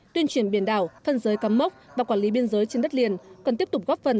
tuyên truyền biển đảo phân giới cắm mốc và quản lý biên giới trên đất liền cần tiếp tục góp phần